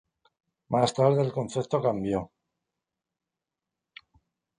Más tarde el concepto cambió.